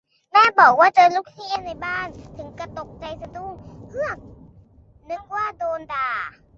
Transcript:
"แม่บอกว่าเจอลูกเหี้ยในบ้าน ถึงกะตกใจสะดุ้งเฮือก นึกว่าโดนด่า"